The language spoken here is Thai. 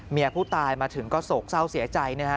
เมียผู้ตายมาถึงก็โศกเศร้าเสียใจนะฮะ